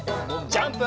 ジャンプ！